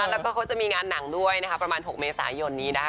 แล้วก็เขาจะมีงานหนังด้วยนะคะประมาณ๖เมษายนนี้นะคะ